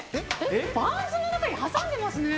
バンズの中に挟んでますね。